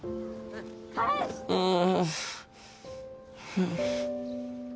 うん。